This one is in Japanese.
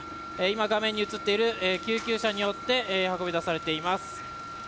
画面に映っていた救急車によって運び出されました。